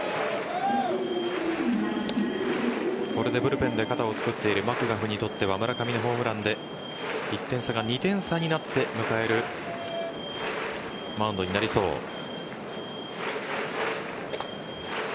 これでブルペンで肩をつくっているマクガフにとっては村上のホームランで１点差が２点差になって迎えるマウンドになりそうです。